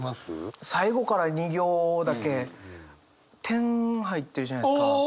最後から２行だけ点入ってるじゃないですか。